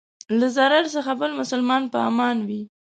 له ضرر څخه بل مسلمان په امان وي.